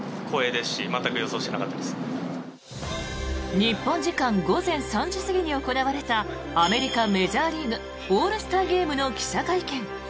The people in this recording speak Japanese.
日本時間午前３時過ぎに行われたアメリカ・メジャーリーグオールスターゲームの記者会見。